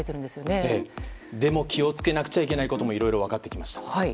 でも気をつけなくちゃいけないこともいろいろ分かってきました。